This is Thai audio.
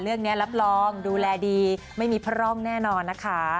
เรือกเนี้ยรับรองดูแลดีไม่มีพาร่องแน่นอนนะคะ